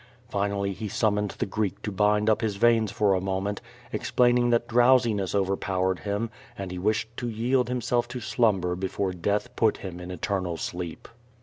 Finally he summoned the Greek to bind up his veins for a moment, ex plaining that drowsiness overpowered him and he wished to )'ield himself to slumber before death put him in eternal sleep.